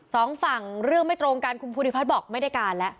สองฝั่งเรื่องไม่ตรงกันคุณภูริพัฒน์บอกไม่ได้การแล้ว